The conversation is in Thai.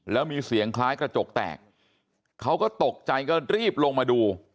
แล้วมีเสียงคล้ายกระจกแตกเขาก็ตกใจก็รีบลงมาดู